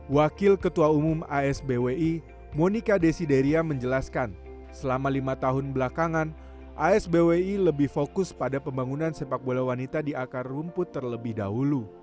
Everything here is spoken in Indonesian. wakil ketua umum asbwi monika desideria menjelaskan selama lima tahun belakangan asbwi lebih fokus pada pembangunan sepak bola wanita di akar rumput terlebih dahulu